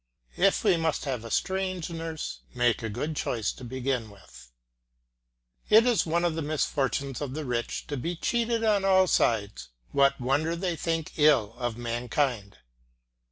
If we must have a strange nurse, make a good choice to begin with. It is one of the misfortunes of the rich to be cheated on all sides; what wonder they think ill of mankind!